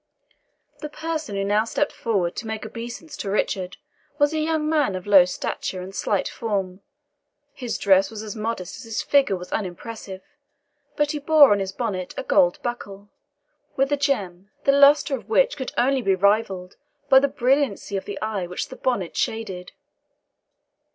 The person who now stepped forward to make obeisance to Richard was a young man of low stature and slight form. His dress was as modest as his figure was unimpressive; but he bore on his bonnet a gold buckle, with a gem, the lustre of which could only be rivalled by the brilliancy of the eye which the bonnet shaded.